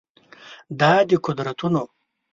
دا د قدرتونو